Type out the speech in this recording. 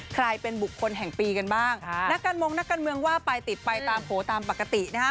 ใครเป็นบุคคลแห่งปีกันบ้างนักการมงนักการเมืองว่าไปติดไปตามโผล่ตามปกตินะฮะ